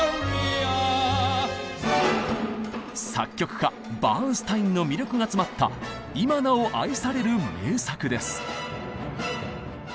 作曲家バーンスタインの魅力が詰まった今なお愛される名作です。